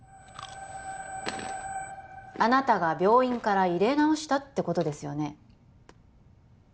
あなたが病院から入れ直したってことですよね？